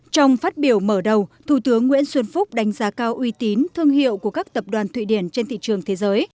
trong phát biểu mở đầu thủ tướng nguyễn xuân phúc đánh giá cao uy tín thương hiệu của các tập đoàn thụy điển trên thị trường thế giới